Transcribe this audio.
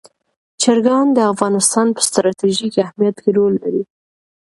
چرګان د افغانستان په ستراتیژیک اهمیت کې رول لري.